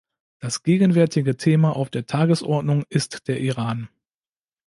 Das gegenwärtige Thema auf der Tagesordnung ist der Iran.